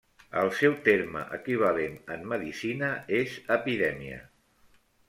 El seu terme equivalent en Medicina és epidèmia.